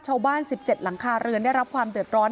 ชาวบ้าน๑๗หลังคาเรือนได้รับความเดือดร้อน